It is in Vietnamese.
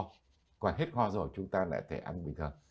khoảng hết ho rồi chúng ta lại thể ăn bình thường